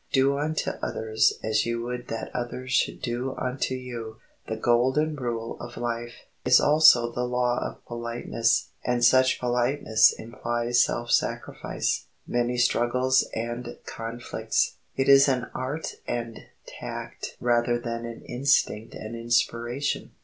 "Do unto others as you would that others should do unto you"—the golden rule of life—is also the law of politeness, and such politeness implies self sacrifice, many struggles and conflicts. It is an art and tact rather than an instinct and inspiration.